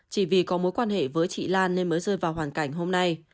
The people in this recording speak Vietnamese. chỉ vì có mối quan hệ với chị lan nên mới rơi vào hoàn cảnh hôm nay